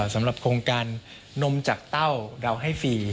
สำหรับโครงการนมจากเต้าเราให้ฟรี